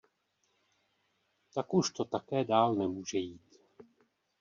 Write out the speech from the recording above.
Tak už to také dál nemůže jít.